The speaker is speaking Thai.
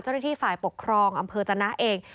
เจ้าหน้าที่ฝ่ายปกครองอำเภอจนะเอง